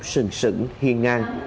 sừng sửng hiên ngang